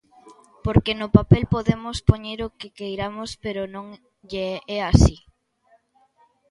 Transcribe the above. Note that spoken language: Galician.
Porque no papel podemos poñer o que queiramos, pero non lle é así.